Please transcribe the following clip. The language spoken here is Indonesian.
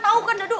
tau kan dado